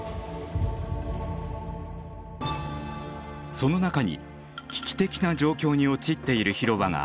その中に危機的な状況に陥っている広場がありました。